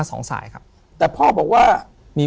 ถูกต้องไหมครับถูกต้องไหมครับ